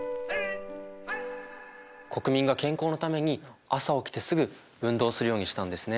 国民が健康のために朝起きてすぐ運動するようにしたんですね。